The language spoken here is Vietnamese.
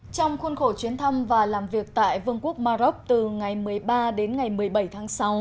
trong khuôn khổ chuyến thăm và làm việc tại vương quốc maroc từ ngày một mươi ba đến ngày một mươi bảy tháng sáu